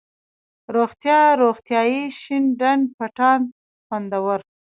روغتيا، روغتیایي ،شين ډنډ، پټان ، خوندور،